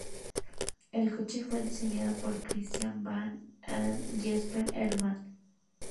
El coche fue diseñado por Christian Brandt and Jesper Hermann.